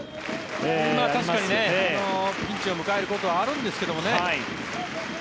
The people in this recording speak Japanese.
確かに、ピンチを迎えることはあるんですけどね